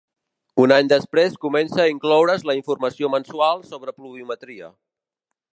Un any després comença a incloure's la informació mensual sobre pluviometria.